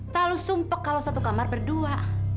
terlalu sumpek kalau satu kamar berdua